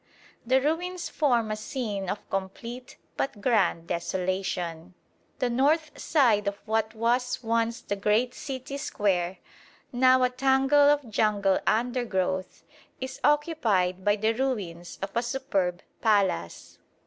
The ruins form a scene of complete but grand desolation. The north side of what was once the great city square, now a tangle of jungle undergrowth, is occupied by the ruins of a superb palace.